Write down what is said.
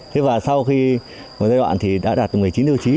thế và sau khi một giai đoạn thì đã đạt được một mươi chín tiêu chí